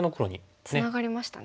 つながりましたね。